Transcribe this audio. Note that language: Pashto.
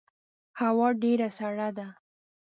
هوا ډیره سړه ده